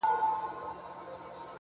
• ستا د پښو ترپ ته هركلى كومه.